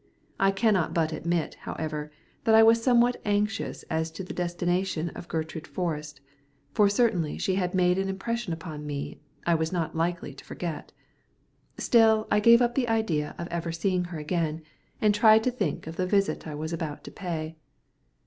I cannot but admit, however, that I was somewhat anxious as to the destination of Gertrude Forrest, for certainly she had made an impression upon me I was not likely to forget. Still I gave up the idea of ever seeing her again, and tried to think of the visit I was about to pay.